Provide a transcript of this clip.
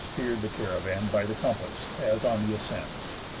steered the caravan by the compass, as on the ascent.